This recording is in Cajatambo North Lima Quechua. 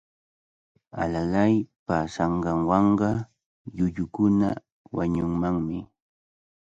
Alalay paasanqanwanqa llullukuna wañunmanmi.